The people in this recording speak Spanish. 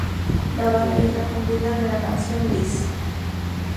La banda ya sacó un video de la canción "Lies".